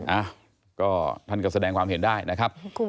อ้าวก็ท่านก็แสดงความเห็นได้นะครับ